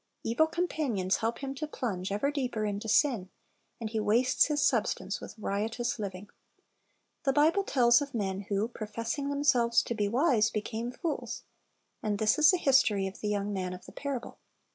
Evil com panions help him to plunge ever deeper into sin, and he wastes his "substance with riotous living." ^ The Bible tells of men, who, "professing them selves to be wise," "became fools ;"^ and this is the history of the young man of the parable.